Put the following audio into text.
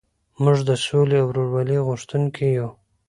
موږ د سولې او ورورولۍ غوښتونکي یو.